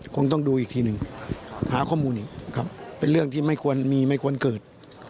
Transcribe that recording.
คงต้องดูอีกทีหนึ่งหาข้อมูลอีกครับเป็นเรื่องที่ไม่ควรมีไม่ควรเกิด